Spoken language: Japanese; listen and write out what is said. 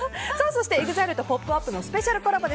そしてＥＸＩＬＥと「ポップＵＰ！」のスペシャルコラボ